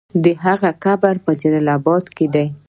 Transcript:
د هغه قبر په جلال اباد کې دی.